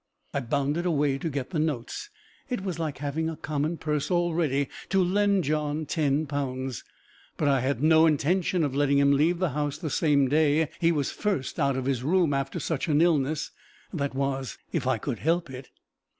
I bounded away to get the notes. It was like having a common purse already, to lend John ten pounds! But I had no intention of letting him leave the house the same day he was first out of his room after such an illness that was, if I could help it.